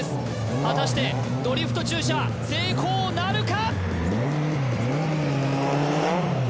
果たしてドリフト駐車成功なるか？